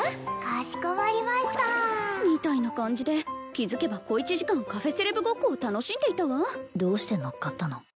かしこまりましたみたいな感じで気づけば小１時間カフェセレブごっこを楽しんでいたわどうして乗っかったの？